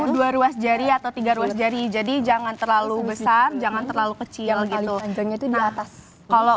dua ruas jari atau tiga ruas jari jadi jangan terlalu besar jangan terlalu kecil gitu di atas kalau